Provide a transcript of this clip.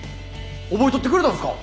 覚えとってくれたんですか！？